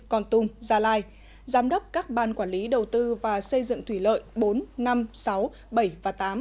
con tum gia lai giám đốc các ban quản lý đầu tư và xây dựng thủy lợi bốn năm sáu bảy và tám